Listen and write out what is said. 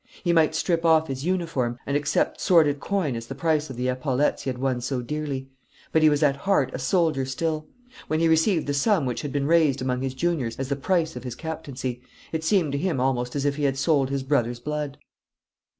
He might strip off his uniform, and accept sordid coin as the price of the epaulettes he had won so dearly; but he was at heart a soldier still. When he received the sum which had been raised amongst his juniors as the price of his captaincy, it seemed to him almost as if he had sold his brother's blood.